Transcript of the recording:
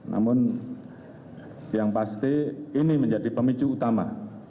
namun yang pasti ini menjadi pemicu utama